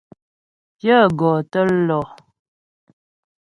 Pyə gɔ tə́ lɔ.